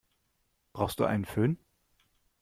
Brauchst du einen Fön?